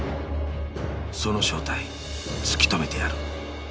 ［その正体突き止めてやる］